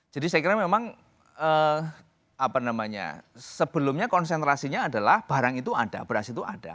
jadi saya kira memang apa namanya sebelumnya konsentrasinya adalah barang itu ada beras itu ada